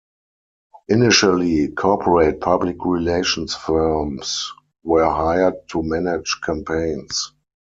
Initially corporate public relations firms were hired to manage campaigns.